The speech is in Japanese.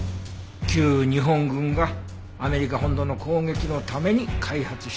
旧日本軍がアメリカ本土の攻撃のために開発した兵器だよね？